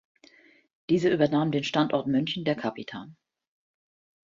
Diese übernahm den Standort München der Capita.